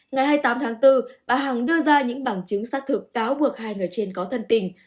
ngày hai mươi tám tháng bốn bà hằng đưa ra những bằng chứng xác thực cáo buộc hai người trên có thân tình